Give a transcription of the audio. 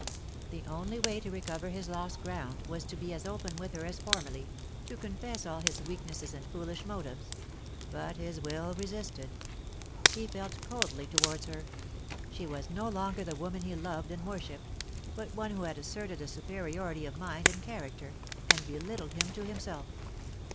The only way to recover his lost ground was to be as open with her as formerly, to confess all his weaknesses and foolish motives; but his will resisted. He felt coldly towards her; she was no longer the woman he loved and worshipped, but one who had asserted a superiority of mind and character, and belittled him to himself.